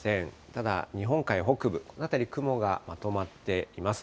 ただ、日本海北部、この辺り、雲がまとまっています。